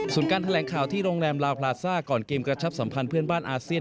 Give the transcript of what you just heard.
ส่วนการแถลงข่าวที่โรงแรมลาวพลาซ่าก่อนเกมกระชับสัมพันธ์เพื่อนบ้านอาเซียน